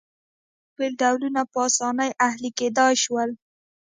دا بېلابېل ډولونه په اسانۍ اهلي کېدای شول